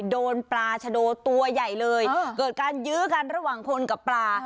โดนปลาชะโดตัวใหญ่เลยเกิดการยื้อกันระหว่างคนกับปลา